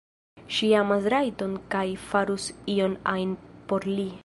Ŝi amas Rajton kaj farus ion ajn por li.